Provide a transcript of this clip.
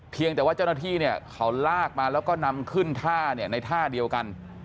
เจ้าหน้าที่เนี่ยเขาลากมาแล้วก็นำขึ้นท่าเนี่ยในท่าเดียวกัน